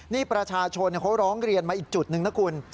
นี่ประชาชนเขาร้องเรียนมาอีกจุดหนึ่งนะคุณ